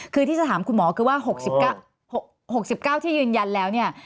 คือที่จะถามคุณหมอคือว่า๖๙ที่ยืนยันแล้วเนี่ย